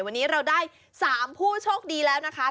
วันนี้เราได้๓ผู้โชคดีแล้วนะคะ